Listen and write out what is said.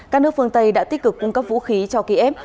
các nước phương tây đã tích cực cung cấp vũ khí cho kiev